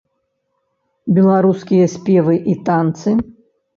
Беларускія спевы і танцы?